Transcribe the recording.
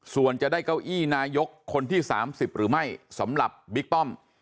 ส่วนจะได้เก้าอี้นายกคนที่๓๐หรือไม่สำหรับบิ๊กป้อม